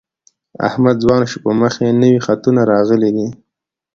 احمد ځوان شو په مخ یې نوي خطونه راغلي دي.